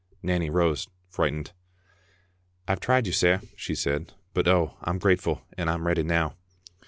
Nanny rose frightened. "I've tried you, sair," she said, "but, oh, I'm grate ful, and I'm ready now."